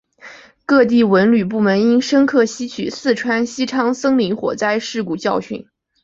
各地文旅部门应深刻吸取四川西昌森林火灾事故教训